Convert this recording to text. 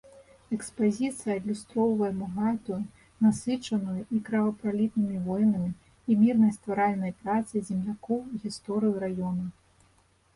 Экспазіцыя адлюстроўвае багатую, насычаную і кровапралітнымі войнамі, і мірнай стваральнай працай землякоў гісторыю раёна.